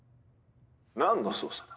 何の捜査だ？